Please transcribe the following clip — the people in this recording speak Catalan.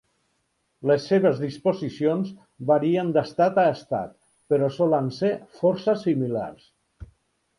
Les seves disposicions varien d'estat a estat, però solen ser força similars.